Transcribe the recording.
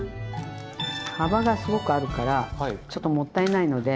幅がすごくあるからちょっともったいないので。